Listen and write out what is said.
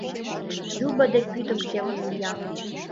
Люба дек вӱдым келын мия.